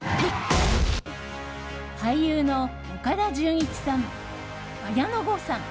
俳優の岡田准一さん綾野剛さん